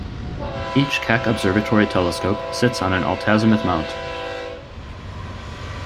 Each Keck Observatory telescope sits on an altazimuth mount.